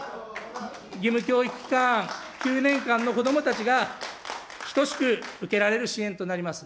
義務教育期間、９年間の子どもたちが等しく受けられる支援となります。